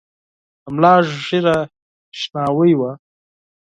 د ملا ږیره شناوۍ وه .